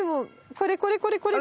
これこれこれこれ！